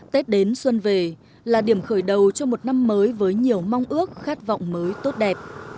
tết đến xuân về là điểm khởi đầu cho một năm mới với nhiều mong ước khát vọng mới tốt đẹp